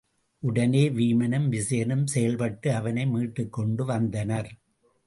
உடனே வீமனும் விசயனும் செயல்பட்டு அவனை மீட்டுக் கொண்டு வந்தனர்.